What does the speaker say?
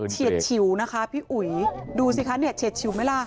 เฉียดฉิวนะคะพี่อุ๋ยดูสิคะเนี่ยเฉียดชิวไหมล่ะ